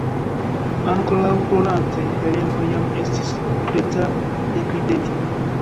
Ankoraŭ plorante, Heleno jam estis preta ekrideti.